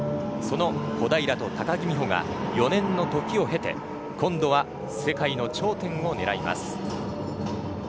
その小平と高木美帆が４年の時を経て今度は世界の頂点を狙います。